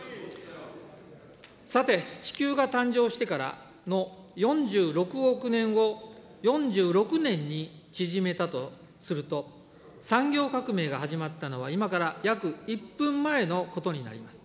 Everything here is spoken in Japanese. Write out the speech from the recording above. さて、地球が誕生してからの４６億年を４６年に縮めたとすると、産業革命が始まったのは、今から約１分前のことになります。